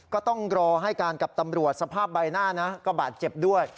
ก็ต้องรอให้การกับตำรวจสภาพใบหน้านะก็บาดเจ็บด้วย